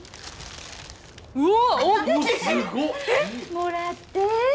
もらって。